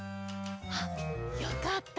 あっよかった。